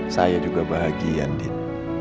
saya juga bahagia nid